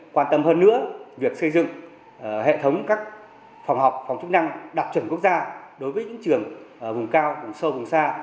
quan tâm hơn nữa việc xây dựng hệ thống các phòng học phòng chức năng đặc chuẩn quốc gia đối với những trường vùng cao vùng sâu vùng xa